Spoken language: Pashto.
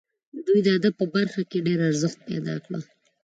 دوی د ادب په برخه کې ډېر ارزښت پیدا کړ.